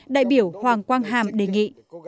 đại biểu hoàng quang hàm đề nghị